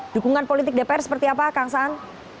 dukungan politik dpr seperti apa kang saan